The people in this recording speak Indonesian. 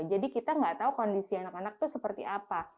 jadi kita nggak tahu kondisi anak anak itu seperti apa